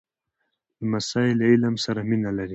لمسی له علم سره مینه لري.